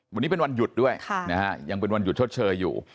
วันนี้เป็นวันหยุดด้วยยังเป็นวันหยุดชดเชยอยู่